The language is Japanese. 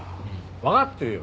わかってるよ